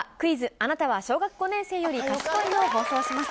あなたは小学５年生より賢いの？を放送します。